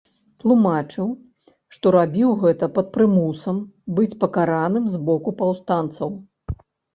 Тлумачыў, што рабіў гэта пад прымусам быць пакараным з боку паўстанцаў.